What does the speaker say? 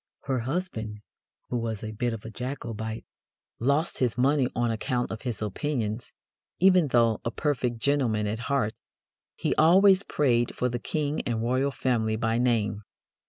Her husband, who was a bit of a Jacobite, lost his money on account of his opinions, even though "a perfect gentleman at heart 'he always prayed for the King and Royal Family by name.'"